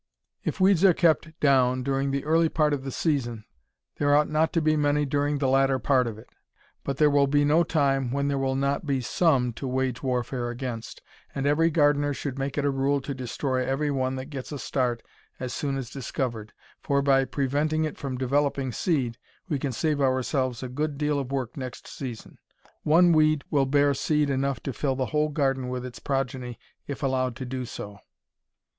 If weeds are kept down during the early part of the season there ought not to be many during the latter part of it. But there will be no time when there will not be some to wage warfare against, and every gardener should make it a rule to destroy every one that gets a start as soon as discovered, for, by preventing it from developing seed, we can save ourselves a good deal of work next season. One weed will bear seed enough to fill the whole garden with its progeny if allowed to do so.